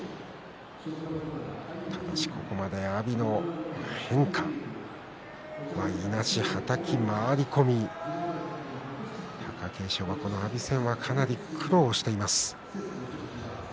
ただし、ここまで阿炎の変化いなし、はたき、回り込み貴景勝は、この阿炎戦は苦労しています。